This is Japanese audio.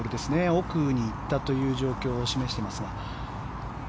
奥に行ったという状況を示していますが。